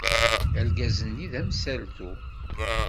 Argaz-nni d amsaltu.